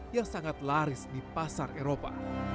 yang sangat laris di pasar eropa